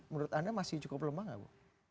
menurut anda masih cukup lemah nggak bu